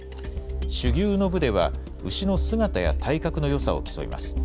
種牛の部では、牛の姿や体格のよさを競います。